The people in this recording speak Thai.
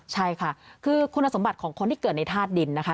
ใช่ค่ะคือคุณสมบัติของคนที่เกิดในธาตุดินนะคะ